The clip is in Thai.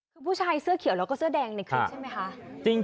คือผู้ชายเสื้อเขียวแล้วก็เสื้อแดงในคลิปใช่ไหมคะ